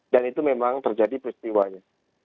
dan itu memang terjadi peristiwanya